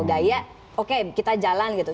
gaya oke kita jalan gitu